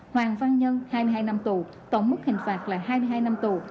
hoàng văn nhân hai mươi hai năm tù tổng mức hình phạt là hai mươi hai năm tù